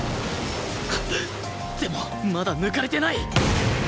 でもまだ抜かれてない！